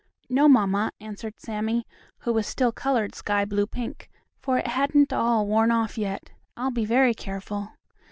"No, mamma," answered Sammie, who was still colored sky blue pink, for it hadn't all worn off yet. "I'll be very careful."